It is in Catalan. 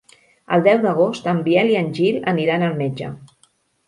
El deu d'agost en Biel i en Gil aniran al metge.